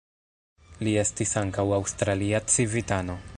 Li estis ankaŭ aŭstralia civitano.